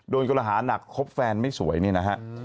โดนกระหาหนักครบแฟนไม่สวยนี่นะฮะ